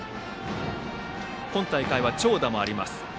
今大会は長打もあります。